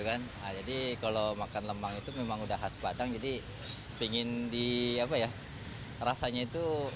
kan jadi kalau makan lemang itu memang udah khas padang jadi pengen di apa ya rasanya itu